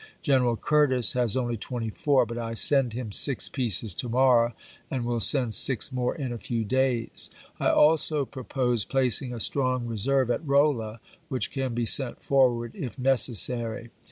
General Curtis has only twenty four, but I send him six pieces to morrow, and will send six more in a few days. I also propose placing a strong reserve at Rolla, which can be sent forward if necessary.